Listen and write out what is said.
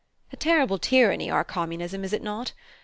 A terrible tyranny our Communism, is it not?